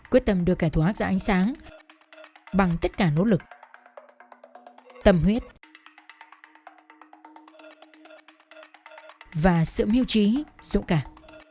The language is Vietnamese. quyết tâm đưa kẻ thù á ra ánh sáng bằng tất cả nỗ lực tâm huyết và sự miêu trí dũng cảm